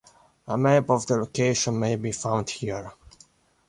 A map of the location may be found here.